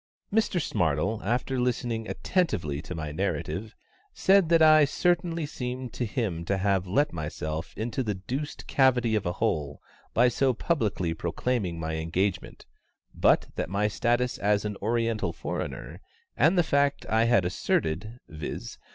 Mr SMARTLE, after listening attentively to my narrative, said that I certainly seemed to him to have let myself into the deuced cavity of a hole by so publicly proclaiming my engagement, but that my status as an oriental foreigner, and the fact I had asserted viz.